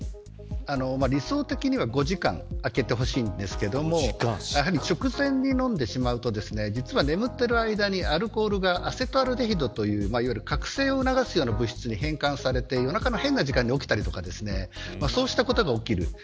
理想的には５時間あけてほしいんですけどやはり食前に飲んでしまうと眠っている間に、アルコールがアセトアルデヒドという覚醒を促すような物質に変換されて、夜中の変な時間に起きたりそうしたことが起きる。